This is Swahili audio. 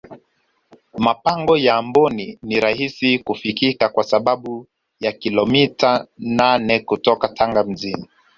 mapango ya amboni ni rahisi kufikika kwa sababu ni kilomita nane kutoka tanga mjini